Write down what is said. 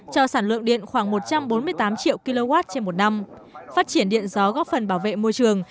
cho sản lượng điện khoảng một trăm bốn mươi tám triệu kw trên một năm phát triển điện gió góp phần bảo vệ môi trường